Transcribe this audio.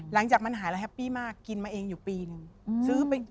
หลังจากมันหายแล้วแฮปปี้มากกินมาเองอยู่ปีนึงซื้อไป